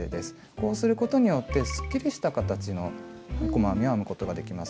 こうすることによってすっきりした形の細編みを編むことができます。